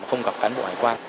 không gặp cán bộ hải quan